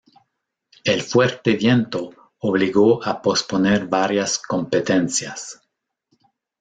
El fuerte viento obligó a posponer varias competencias.